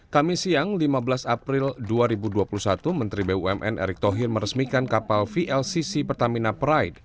kami siang lima belas april dua ribu dua puluh satu menteri bumn erick thohir meresmikan kapal vlcc pertamina pride